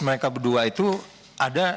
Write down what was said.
mereka berdua itu ada